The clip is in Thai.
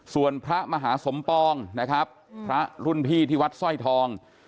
ส่วนพระมหาสมปองนะครับพระรุ่นพี่ที่วัดสร้อยทอง